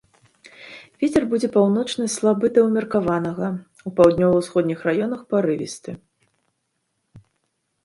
Вецер будзе паўночны слабы да ўмеркаванага, у паўднёва-ўсходніх раёнах парывісты.